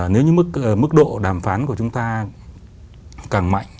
nếu như mức độ đàm phán của chúng ta càng mạnh